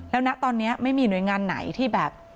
แล้วนะตอนนี้ไม่มีหน่วยงานไหนที่แบบ